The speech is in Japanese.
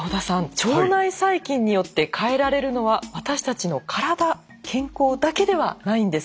腸内細菌によって変えられるのは私たちの体・健康だけではないんです。